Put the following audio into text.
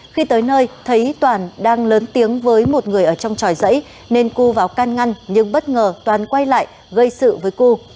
khi tới nơi thấy toàn đang lớn tiếng với một người ở trong tròi dãy nên cưu vào can ngăn nhưng bất ngờ toàn quay lại gây sự với cư